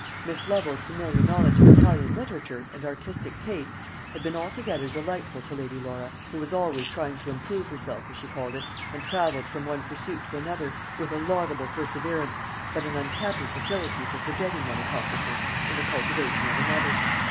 Miss Lovel's familiar knowledge of Italian literature, and artistic tastes, had been altogether delightful to Lady Laura; who was always trying to improve herself, as she called it, and travelled from one pursuit to another, with a laudable perseverance, but an unhappy facility for forgetting one accomplishment in the cultivation of another.